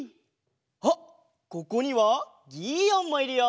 あっここにはギーオンもいるよ。